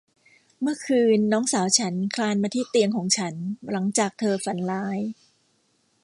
เมื่อคืนน้องสาวฉันคลานมาที่เตียงของฉันหลังจากเธอฝันร้าย